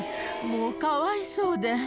もうかわいそうで。